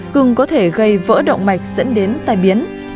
cưng có thể gây vỡ động mạch dẫn đến tai biến